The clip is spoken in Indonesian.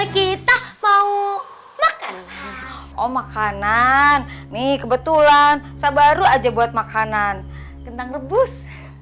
kita mau makan oh makanan nih kebetulan saya baru aja buat makanan kentang rebus